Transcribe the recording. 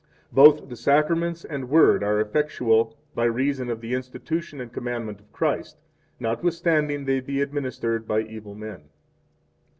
Both the Sacraments and Word are effectual by reason of the institution and commandment of Christ, notwithstanding they be administered by evil men.